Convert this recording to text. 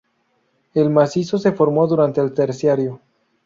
El macizo se formó durante el Terciario.